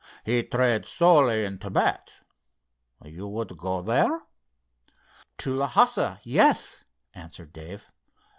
He trades solely in Thibet. You would go there?" "To Lhassa, yes," answered Dave.